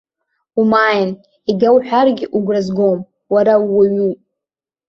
Умааин, егьа уҳәаргьы угәра згом, уара ууаҩуп!